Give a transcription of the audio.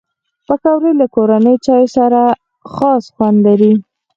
پکورې له کورني چای سره خاص خوند لري